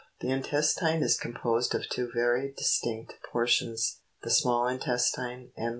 The intestine is composed of two very distinct portions; the small intestine, and large intestine.